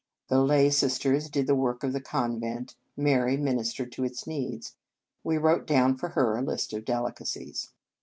The lay sisters did the work of the convent; Mary ministered to its needs. We wrote down for her a list of delicacies.